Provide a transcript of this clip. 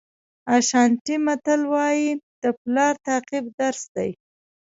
اشانټي متل وایي د پلار تعقیب درس دی.